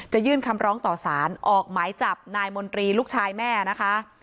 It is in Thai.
ยื่นคำร้องต่อสารออกหมายจับนายมนตรีลูกชายแม่นะคะ